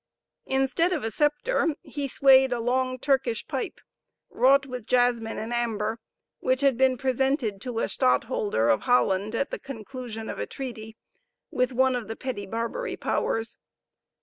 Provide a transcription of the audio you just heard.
Instead of a scepter he swayed a long Turkish pipe, wrought with jasmin and amber, which had been presented to a stadtholder of Holland, at the conclusion of a treaty, with one of the petty Barbary Powers.